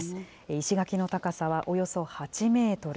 石垣の高さはおよそ８メートル。